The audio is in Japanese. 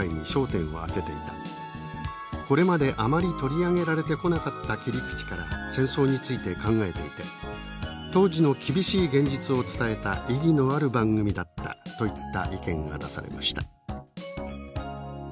これまであまり取り上げられてこなかった切り口から戦争について考えていて当時の厳しい現実を伝えた意義のある番組だった」といった意見が出されました。